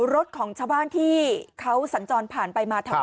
รถของชาวบ้านที่เขาสัญจรผ่านไปมาแถวนั้น